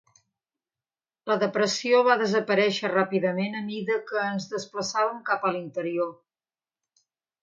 La depressió va desaparèixer ràpidament a mida que ens desplaçàvem cap a l"interior.